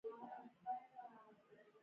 پۀ دې شعر کښې